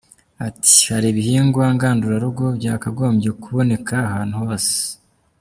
Ati “Hari ibihingwa ngandurarugo byakagombye kuboneka ahantu hose.